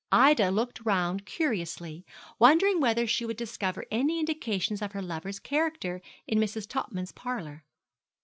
Ida looked round curiously, wondering whether she would discover any indications of her lover's character in Mrs. Topman's parlour.